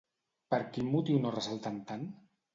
Per quin motiu no ressalten tant?